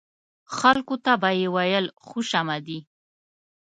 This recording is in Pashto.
خلکو ته به یې ویل خوش آمدي.